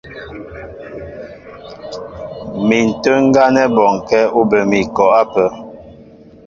Mi ǹtə́ə́ ŋgá nɛ́ bɔnkɛ́ ú bə mi ikɔ ápə́.